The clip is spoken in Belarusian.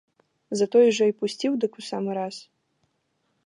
Затое жа і пусціў дык у самы раз.